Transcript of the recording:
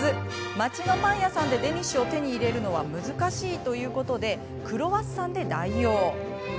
町のパン屋さんでデニッシュを手に入れるのは難しいということでクロワッサンで代用。